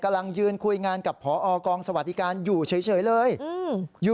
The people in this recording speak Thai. กำลังยืนคุยงานกับพอกองสวัสดิการอยู่เฉยเลยอืมอยู่